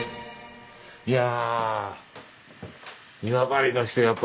いや。